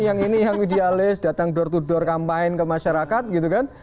yang ini yang idealis datang door to door kampanye ke masyarakat gitu kan